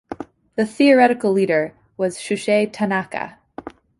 The theoretical leader was Shusei Tanaka.